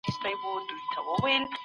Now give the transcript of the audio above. ټولني خپل فرهنګ ساتلی و.